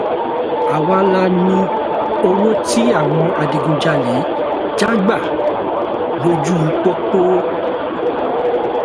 Àwa la ni owó tí àwọn adigunjalè jágbà lójú pópó.